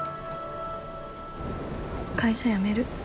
会社辞める。